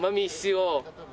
を